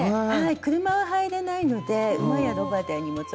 車は入れないので馬やロバで荷物を運びます。